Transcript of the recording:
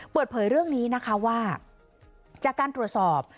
เปิดเผยเรื่องนี้นะคะว่าจากการตรวจสอบ